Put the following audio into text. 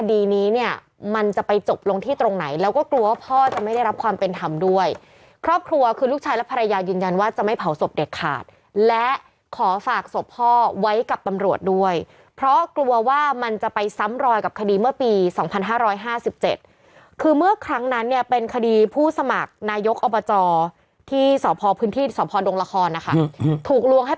คดีนี้เนี่ยมันจะไปจบลงที่ตรงไหนแล้วก็กลัวว่าพ่อจะไม่ได้รับความเป็นธรรมด้วยครอบครัวคือลูกชายและภรรยายืนยันว่าจะไม่เผาศพเด็ดขาดและขอฝากศพพ่อไว้กับตำรวจด้วยเพราะกลัวว่ามันจะไปซ้ำรอยกับคดีเมื่อปี๒๕๕๗คือเมื่อครั้งนั้นเนี่ยเป็นคดีผู้สมัครนายกอบจที่สพพื้นที่สพดงละครนะคะถูกลวงให้